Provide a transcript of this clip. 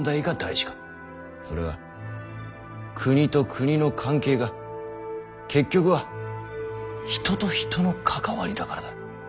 それは国と国の関係が結局は人と人の関わりだからだ。